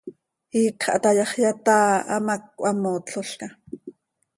Iicx hatayaxyat áa, hamác cöhamootlolca.